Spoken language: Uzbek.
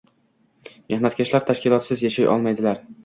Mehnatkashlar tashkilotsiz yashay olmaydirlar